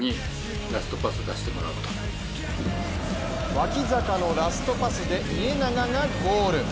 脇坂のラストパスで家長がゴール。